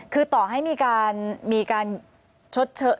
คือต่อให้มีการชดเชอะ